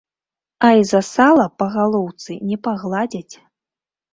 А і за сала па галоўцы не пагладзяць!